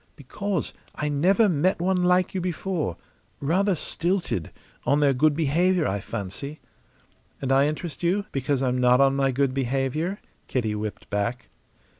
"Because I never met one like you before. Rather stilted on their good behaviour, I fancy." "And I interest you because I'm not on my good behaviour?" Kitty whipped back.